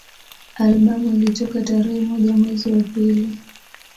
Albamu ilitoka tarehe moja mwezi wa pili